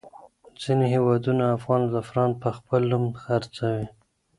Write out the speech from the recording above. ځینې هېوادونه افغان زعفران په خپل نوم خرڅوي.